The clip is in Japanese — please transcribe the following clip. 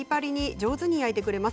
上手に焼いてくれます。